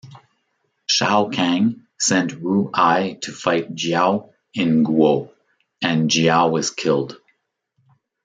Shao Kang sent Ru Ai to fight Jiao in Guo, and Jiao was killed.